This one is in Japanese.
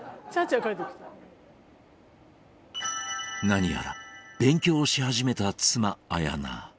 何やら勉強をし始めた妻・綾菜。